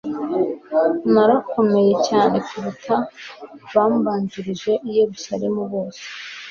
narakomeye cyane kuruta abambanjirije i yeruzalemu bose